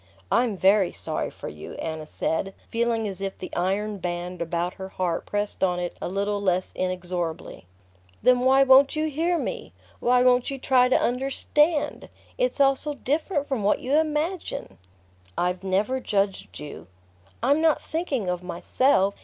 "I'm very sorry for you," Anna said, feeling as if the iron band about her heart pressed on it a little less inexorably. "Then why won't you hear me? Why won't you try to understand? It's all so different from what you imagine!" "I've never judged you." "I'm not thinking of myself.